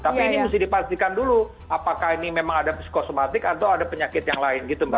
tapi ini mesti dipastikan dulu apakah ini memang ada psikosomatik atau ada penyakit yang lain gitu mbak